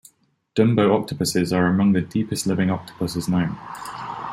Dumbo octopuses are among the deepest living octopuses known.